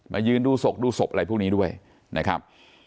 ยืนดูศพดูศพอะไรพวกนี้ด้วยนะครับ